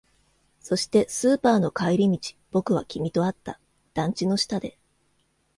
そして、スーパーの帰り道、僕は君と会った。団地の下で。